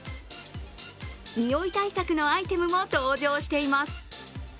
におい対策のアイテムも登場しています。